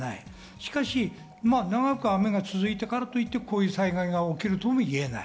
しかし長く雨が続いたからといって、こういう災害が起きるとも言えない。